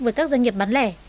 với các doanh nghiệp bán lẻ